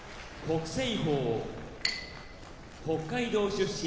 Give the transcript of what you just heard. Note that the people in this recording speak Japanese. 北青鵬北海道出身